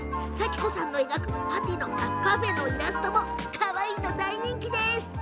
紗季子さんが描くパフェのイラストもかわいいと大人気。